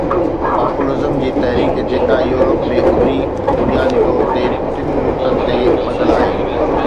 Populism جي تحريڪ جيڪا پورپ ۾ اڀري، بنيادي طور تي ٽن نقطن تي ٻڌل آهي.